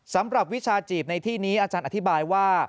วิชาจีบในที่นี้อาจารย์อธิบายว่า